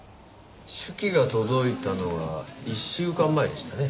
手記が届いたのは１週間前でしたね？